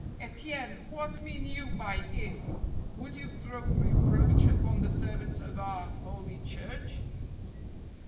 " Etienne, what mean you by iff Would you throw reproach upon the servants of our Holy Church?"